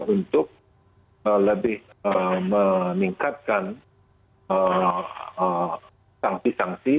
untuk lebih meningkatkan sanksi sanksi